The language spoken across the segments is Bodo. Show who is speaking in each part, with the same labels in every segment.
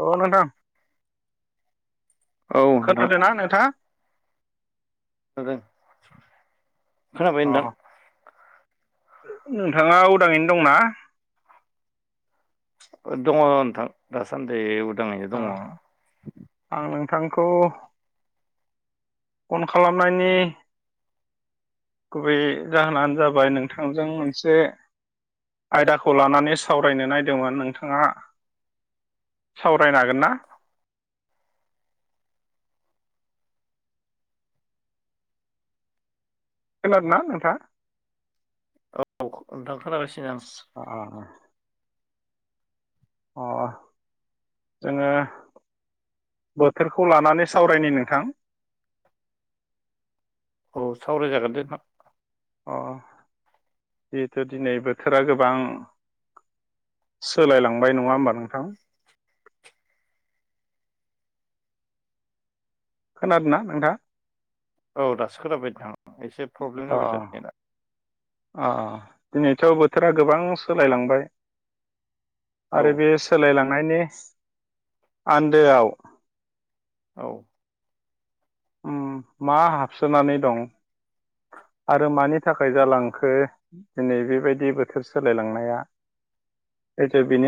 Speaker 1: अ नोंथां
Speaker 2: औ नोंथां
Speaker 1: खोनादों ना नोंथांङा
Speaker 2: खोनादों खोनाबाय नोंथां
Speaker 1: नोंथांङा उदांङैनो दंङोना
Speaker 2: दंङो नोंथां दासान्दि उदाङैनो
Speaker 1: अ
Speaker 2: दङ औ
Speaker 1: आं नोंथांखौ फन खालामनायनि गुबै जाहोनानो जाबाय नोंथांजों मोनसे आयदाखौ लानानै सावरायनो नायदोंमोन नोंथांङा सावरायनो हागोन ना खोदोंना नोंथा
Speaker 2: औ नोंथां खोना गासिनो नोंथां
Speaker 1: [inaudible] अ जोंङो बोथोरखौ लानानै सावरायनाय नोंथां
Speaker 2: औ सावरायजागोन दे नोंथां
Speaker 1: अ जिहेथु दिनै बोथोरा गोबां सोलायलांबाय नंङा होमबा नोंथां खोनादोंना नोंथांङा
Speaker 2: औ दासो खोनाबायदोंथां एसे प्रब्लेम
Speaker 1: अ
Speaker 2: जाबाय थादों दा
Speaker 1: अ दिनैथ' बोथोरा गोबां सोलायलांबाय
Speaker 2: औ
Speaker 1: आरो बे सोलायलांनायनि आन्दोआव
Speaker 2: औ
Speaker 1: उम मा हाबसोनानै दं आरो मानि थाखाय जालांखो दिनै बेबायदि बोथोर सोलायलांनाया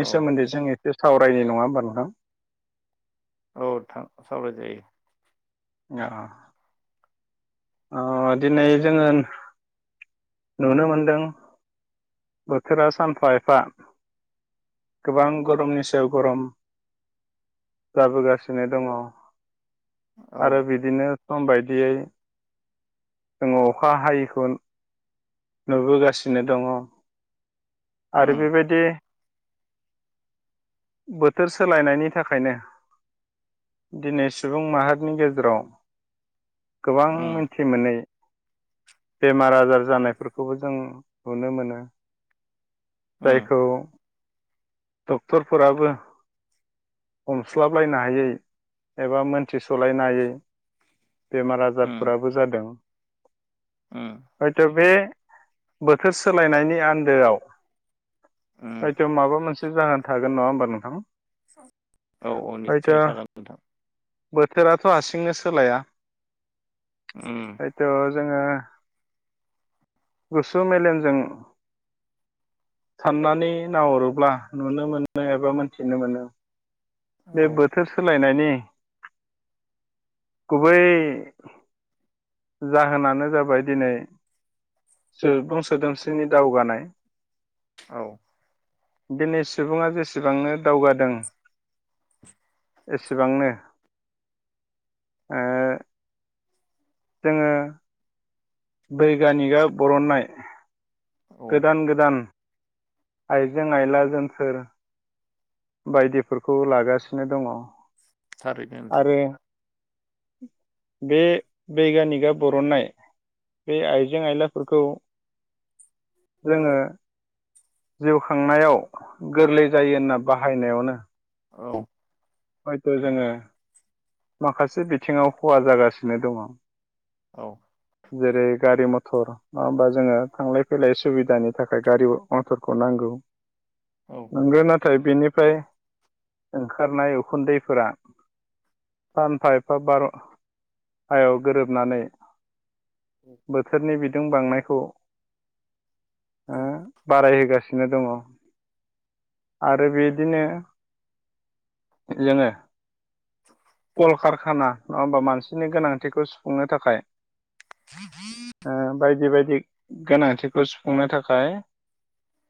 Speaker 2: औ
Speaker 1: सोमोन्दै जों एसे सावरायनाय नंङा नोंहा
Speaker 2: औ थां सावराय जायो।
Speaker 1: अ दिनै जोंङो नुनो मोनदों बोथोरा सानफा एफा गोबां गरमनि सायाव गरम जाबोगासिनो दंङो
Speaker 2: औ
Speaker 1: आरो बिदिनो सम बायदियै जोंङो अखा हायैखौ नुबोगासिनो दंङो आरो
Speaker 2: उम
Speaker 1: बेबायदि बोथोर सोलायनायनि थाखायनो दिनै सुबुं माहारिनि गेजेराव गोबां
Speaker 2: उम
Speaker 1: मिथिमोनै बेमार आजार जानायफोरखौबो जों नुनो मोनो
Speaker 2: उम
Speaker 1: जायखौ डक्टरफोराबो हमस्लाबलायनो हायै एबा मोनथिस'लायनो हायै बेमार आजारफोराबो जादों।
Speaker 2: ओ
Speaker 1: हयथ' बे बोथोर सोलायनायनि आन्दोआव
Speaker 2: उम
Speaker 1: बायथ' माबा मोनसे जाहोन थागोन नङा होमबा नोंथां।
Speaker 2: औ औ
Speaker 1: हयथ'
Speaker 2: निस्सय थागोन नोंथां।
Speaker 1: बोथोराथ' हारसिंनो सोलाया
Speaker 2: [inaudible]
Speaker 1: हयथ' जोङो गुसु मेलेमजों साननानै नाहरोब्ला नुनो मोनो एबा मोनथिनो मोनो। बे
Speaker 2: औ
Speaker 1: बोथोर सोलायनायनि गुबै जाहोनानो जाबाय दिनै सुबुं सोदोमस्रिनि दावगानाय
Speaker 2: औ।
Speaker 1: दिनै सुबुङा जेसेबांनो दावगादों।
Speaker 2: [inaudible]
Speaker 1: एसेबांनो ओ जोङो बैगानिकआ बरननाय।
Speaker 2: औ
Speaker 1: गोदान गोदान आइजें आइलाजोनथोर बायदिफोरखौ लागासिनो दङ।
Speaker 2: थारै बे नोंथां।
Speaker 1: आरो बे बैगानिकआ बर'नाय बे आइजें आयलाफोरखौ जोङो जिउ खांनायाव गोरलै जायो होनना बाहायनायावनो
Speaker 2: औ।
Speaker 1: हयथ' जोङो माखासे बिथिङाव खहा जागासिनो दङ।
Speaker 2: औ।
Speaker 1: जेरै गारि मथर नङा होमबा जोङो थांलाय फैलाय सुबिदानि। थाखाय गारि अनसरखौ नांगौ।
Speaker 2: औ।
Speaker 1: मोनगोन नाथाय बेनिफ्राय ओंखारनाय उखुन्दैफोरा सानफा एफा बार' हायाव गोरोबनानै बोथोरनि बिदुं बांनायखौ ओ
Speaker 2: औ।
Speaker 1: बारायहोगासिनो दङ आरो बिदिनो। जोङो कलकारखाना नङा होमबा मानसिनि गोनांथिखौ खुंनो थाखाय
Speaker 2: बिग [unintelligible]
Speaker 1: बायदि बायदि गोनांथिखौ सुफुंनो थाखाय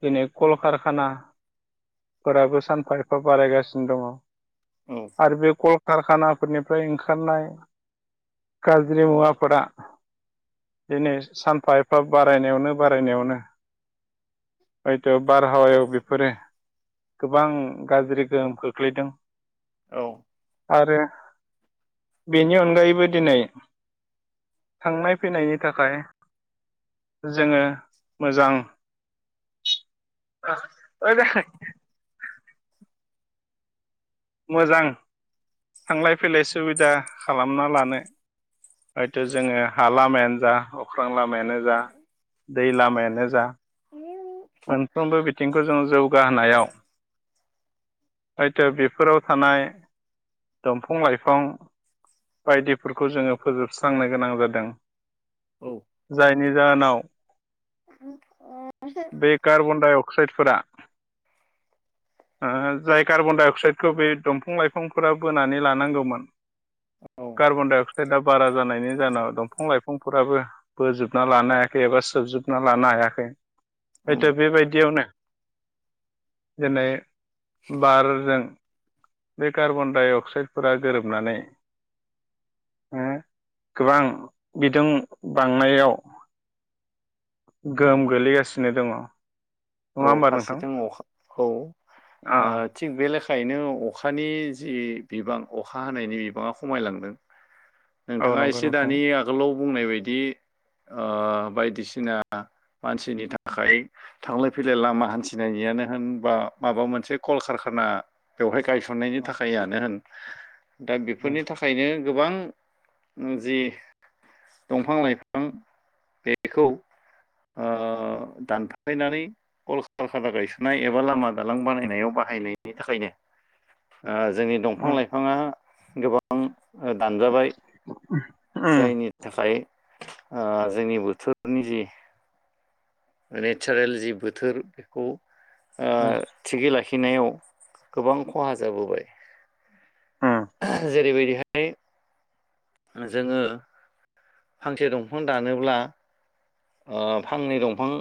Speaker 1: दिनै कलकारखानाफोराबो सानफा एफा बारायगासिनो दङ।
Speaker 2: औ।
Speaker 1: आरो बे कलकारखानाफोरनिफ्राय ओंखारनाय गाज्रि मुवाफोरा दिनै सानफा एफा बारायनायावनो बारायनायावनो हयथ' बारहावायाव बेफोरो गोबां गाज्रि गोहोम खोख्लैदों।
Speaker 2: औ।
Speaker 1: आरो बेनि अनगायैबो दिनै थांनाय फैनायनि थाखाय जोङो मोजां [unintelligible] मोजां थांलाय फैलाय सुबिदा खालामना लानो। हयथ' जोङो हा लामायानो जा अख्रां लामायानो जा दै लामायानो जा
Speaker 2: [inaudible]
Speaker 1: मोनफ्रोमबो बिथिंखौ जों जौगाहोनायाव हयथ' बेफोराव थानाय दंफां लाइफां बायदिफोरखौ जोङो फोजोबस्रांनो गोनां जादों
Speaker 2: औ
Speaker 1: जायनि जाहोनाव
Speaker 2: अ
Speaker 1: बे कार्बन डाइ अक्साइडफोरा जाय कार्बनडाइ अक्साइडखौ बे दंफां लाइफांफोरा बोनानै लानांगौमोन
Speaker 2: औ औ
Speaker 1: कार्बनडायअक्साइडआ बारा जानायनि जाहोनाव दंफां लाइफांफोराबो बोजोबना लानो हायाखै एबा सोबजोबना लानो हायाखै हयथ'
Speaker 2: उम
Speaker 1: बेबायदियावनो दिनै बारजों बे कार्बन डाइ अक्साइडफोरा गोरोबनानै गोबां बिदुं बांनायाव गोहोम गोल्लैगासिनो दङ
Speaker 2: औ
Speaker 1: होमबा नोंथां
Speaker 2: फारसेथिं अखा औ
Speaker 1: अ
Speaker 2: थिग बे लेखायैनो अखानि जि बिबां अखा हानायनि बिबाङा खमायलांदों।
Speaker 1: औ
Speaker 2: नोंथाङा
Speaker 1: नंगौ
Speaker 2: एसे
Speaker 1: नोंथां
Speaker 2: दानि आगोलाव बुंनाय बायदि ओ बायदिसिना मानसिनि थाखाय थांलाय फैलाय लामा हान्थिनाययानो होनबा माबा मोनसे कलकारखाना बेवहाय गायसननायनि थाखाययनो होन दा बेफोरनि थाखायनो गोबां जि दंफां लाइफां बेखौ दानफायनानै कल कलका गायसनाय एबा लामा दालां बानायनायाव बाहायनायनि थाखायनो जोंनि दंफां
Speaker 1: उम
Speaker 2: लाइफाङा गोबां दानजाबाय
Speaker 1: [inaudible]
Speaker 2: जायनि थाखाय जोंनि बोथोरनि जि नेचारेल जि बोथोर बेखौ
Speaker 1: उम
Speaker 2: थिगै लाखिनायाव गोबां खहा जाबोबाय
Speaker 1: उम
Speaker 2: जेरैबायदिहाय जोङो फांसे दंफां दानोब्ला फांनै दंफां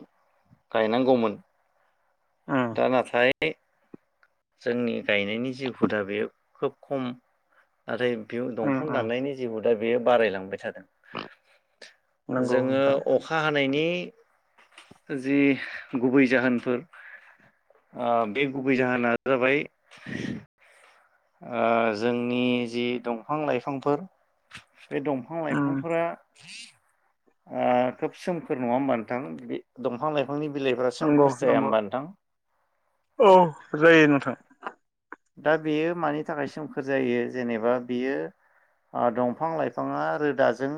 Speaker 2: गायनांगौमोन
Speaker 1: औ
Speaker 2: दा नाथाय जोंनि गायनायनि जि हुदा बे खोब खम नाथाय बे
Speaker 1: उम
Speaker 2: दंफां
Speaker 1: उम
Speaker 2: दाननायनि जिबो दा बेयो बारायलांबाय थादों।
Speaker 1: नगौ
Speaker 2: जोङो
Speaker 1: नोंथां।
Speaker 2: अखा हानायनि जि गुबै जाहोनफोर ओ बे गुबै जाहोना जाबाय- जोंनि जि दंफां लाइफांफोर बे दंफां
Speaker 1: उम
Speaker 2: लाइफांफोरा [inaudible] खोब सोमखोर नङा होनबानोथां दंफां लाइफांनि बिलाइफ्रा
Speaker 1: नंगौ
Speaker 2: सोमखोर जाया
Speaker 1: नंगौ
Speaker 2: होनोमबानोथां।
Speaker 1: औ जायो नोंथां।
Speaker 2: दा बेयो मानि थाखाय सोमखोर जायो जेनेबा बियो दंफां लाइफाङा रोदाजों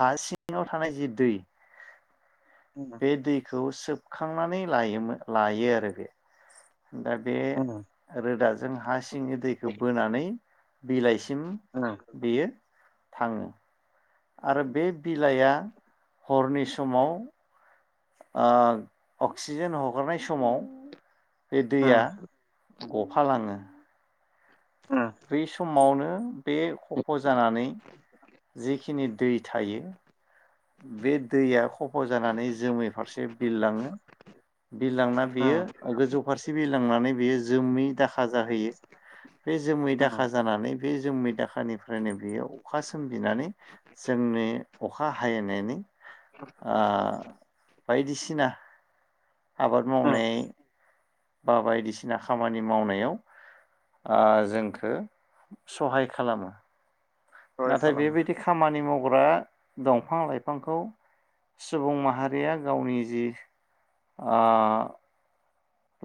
Speaker 2: हा सिङाव थानाय जि दै
Speaker 1: उम
Speaker 2: बे दैखौ सोबखांनानै लोयोमोन लायो आरो बे दा बे
Speaker 1: उम
Speaker 2: रोदाजों हा सिंनि दैखौ बोनानै बिलाइसिम
Speaker 1: [inaudible]
Speaker 2: बेयो थाङो। आरो बे बिलाइआ हरनि समाव अक्सिजेन हगारनाय समाव बे दैया
Speaker 1: उम
Speaker 2: गफालाङो-
Speaker 1: उम
Speaker 2: बै समावनो बे खफ' जानानै जिखिनि दै थायो बे दैया खफ' जानानै जोमै फारसे बिरलाङो। बिरलांना
Speaker 1: उम
Speaker 2: बेयो गोजौ फारसे बि लांनानै बेयो जोमै दाखा जाहैयो बे जोमै
Speaker 1: उम
Speaker 2: दाखा जानानै बे जोमै दाखानिफ्रायनो बेयो अखा सोमजिनानै जोंनि अखा बाहायनायनि ओ बायदिसिना आबाद
Speaker 1: उम
Speaker 2: मावनाय बा बायदिसिना खामानि मावनायाव जोंखो सहाय खालामो
Speaker 1: सहाय
Speaker 2: नाथाय
Speaker 1: खालामो
Speaker 2: बेबायदि खामानि मावग्रा दंफां लाइफांखौ सुबुं माहारिया गावनि जि ओ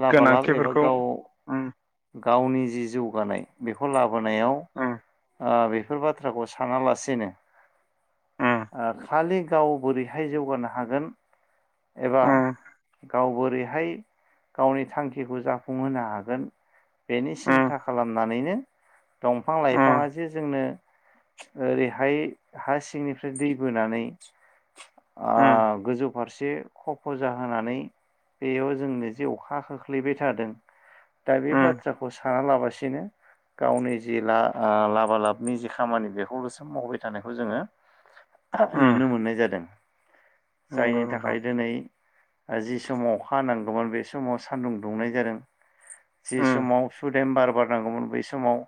Speaker 2: लाबालाब एबा
Speaker 1: गोनांथिफोरखौ
Speaker 2: गाव
Speaker 1: उ
Speaker 2: गावनि जि जौगानाय बेखौ लाबोनायाव
Speaker 1: उम
Speaker 2: ओ बेफोर बाथ्राखौ साना लासेनो
Speaker 1: उम
Speaker 2: खालि गाव बोरैहाय जौगानो हागोन एबा
Speaker 1: उम
Speaker 2: गाव बोरैहाय गावनि थांखिखौ जाफुंहोनो हागोन बेनि
Speaker 1: उम उम
Speaker 2: सिन्था खालामनानैनो दंफां
Speaker 1: उम
Speaker 2: लाइफाङा जे जोंनो ओरैहाय हा सिंनिफ्राय दै बोनानै ओ गोजौ फारसे खफ' जाहोनानै बेयाव जोंनो जे अखा खोख्लैबाय थादों दा बे
Speaker 1: उम
Speaker 2: बाथ्राखौ साना लाबसिनो गावनि जि ला लाबा लाबनि जि खामानि बेखौल'सो मावबाय थानायखौ जोङो
Speaker 1: उम
Speaker 2: नुनो मोननाय जादों।
Speaker 1: नंगौ
Speaker 2: जायनि
Speaker 1: नोंथां
Speaker 2: थाखाय दिनै जि समाव अखा हानांगौमोन बे समाव सान्दुं दुंनाय जादों। जि
Speaker 1: उम
Speaker 2: समाव सुदेम बार बारनांगौमोन बै समाव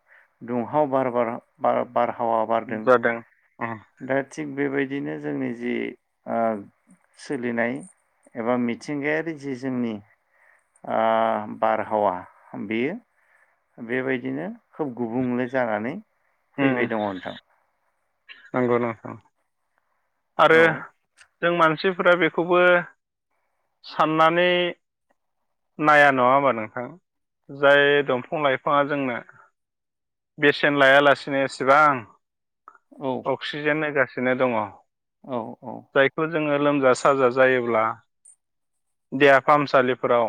Speaker 2: दुंहाव बार बार- बारहावा बारदों
Speaker 1: उ
Speaker 2: दा थिग बेबायदिनो जोंनि जि ओ सोलिनाय एबा मिथिंगायारि जि जोंनि ओ बारहावा बेयो बेबायदिनो खोब गुबुंले जानानै
Speaker 1: उम
Speaker 2: फैबाय दङ' नोंथां
Speaker 1: नंगौ नोंथां आरो
Speaker 2: औ
Speaker 1: जों मानसिफोरा बेखौबो साननानै नाया नङा होमबा नोंथां जाय दंफां लाइफाङा जोंनो बेसेन लायालासिनो एसेबां
Speaker 2: औ
Speaker 1: अक्सिजेन होगासिनो दङ'
Speaker 2: औ औ
Speaker 1: जायखौ जोङो लोमजा साजा जायोब्ला देहा फाहामसालिफोराव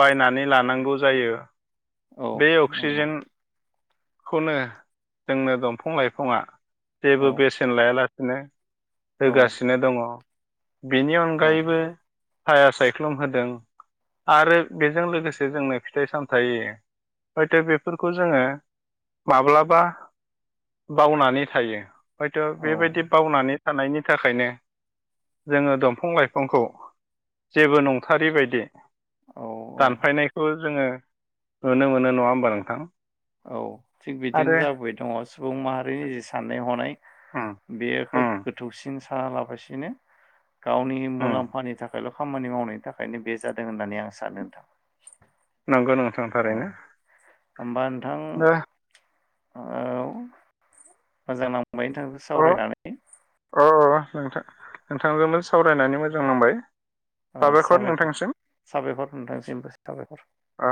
Speaker 1: बायनानै लानांगौ जायो
Speaker 2: औ
Speaker 1: बे
Speaker 2: नंगौ
Speaker 1: अक्सिजेनखौनो जोंनो दंफां लाइफाङा जेबो
Speaker 2: औ
Speaker 1: बेसेन लायालासिनो
Speaker 2: औ
Speaker 1: होगासिनो दङ' बेनि अनगायैबो साया सायख्लुम होदों आरो बेजों लोगोसे जोंनो फिथाइ सामथाय हयथ' बेफोरखौ जोङो माब्लाबा बावनानै थायो हयथ'
Speaker 2: औ
Speaker 1: बेबायदि बावनानै थानायनि थाखायनो जोङो दंफां लाइफांखौ जेबो नंथारि बायदि
Speaker 2: औ औ
Speaker 1: दानफायनायखौ जोङो नुनो मोनो नङा होमबा नोंथां।
Speaker 2: औ थिग बिदिनो
Speaker 1: आरो
Speaker 2: जाबोबाय दङ' सुबुं माहारिनि जि साननाय हनाय
Speaker 1: उम
Speaker 2: बेयो खोब
Speaker 1: उम
Speaker 2: गोथौसिन साना लाबासिनो गावनि
Speaker 1: उम
Speaker 2: मुलाम्फानि थाखायल' खामानि मावनायनि थाखायनो बे जादों होननानै आं सानो नोंथां
Speaker 1: नंगौ नं
Speaker 2: अ होमबा
Speaker 1: दा
Speaker 2: नोंथां औ मोजां नांबाय नोंथांजों
Speaker 1: अ
Speaker 2: सावरायनानै
Speaker 1: अ अ नोंथां नोंथांजोंबो सावरायनानै मोजां मोनबाय
Speaker 2: अ साबायखर साबायखर नोंथांसिमबो साबायखर
Speaker 1: आ